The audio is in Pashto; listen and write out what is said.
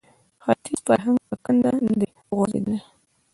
ختیز فرهنګ په کنده نه دی غورځېدلی